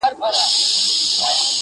وایې اصل یمه زه مي تر سیلانو،